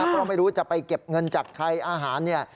ก็ไม่รู้จะไปเก็บเงินจากใครอาหารเนี่ย